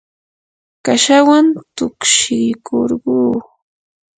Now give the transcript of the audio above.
kashawan tukshikurquu.